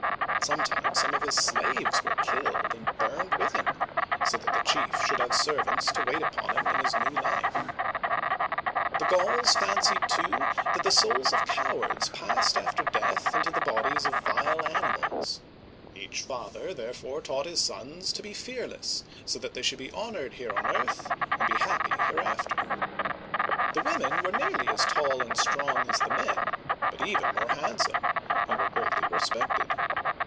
Sometimes some of his slaves were killed and burned with him, so that the chief should have servants to wait upon him in his new life. The Gauls fancied, too, that Digitized by Google The Funeral of a Chief. Digitized by Google i6 OLD FRANCE the souls of cowards passed after death into the bodies of vile animals. Each father, therefore, taught his sons to be fearless, so that they should be honored h^re on earth, arid be happy hereafter. The women were nearly as tall and strong as the men, but even more handsome, and were greatly respected.